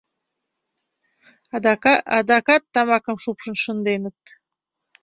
— Адакат тамакым шупшын шынденыт!